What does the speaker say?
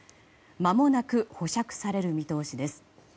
まもなく保釈される見通しです。